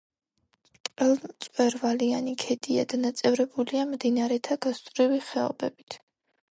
ბრტყელმწვერვალიანი ქედია, დანაწევრებულია მდინარეთა გასწვრივი ხეობებით.